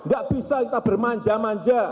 gak bisa kita bermanja manja